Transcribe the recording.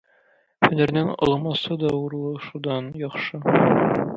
Һөнәрнең аламасы да урлашудан яхшы.